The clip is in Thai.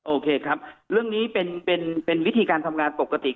โอเคครับเรื่องนี้เป็นวิธีการทำงานปกติ